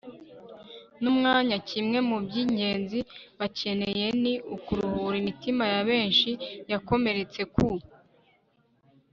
n'umwanya kimwe mu by'ingenzi bakeneye. ni ukuruhura imitima ya benshi, yakomeretse ku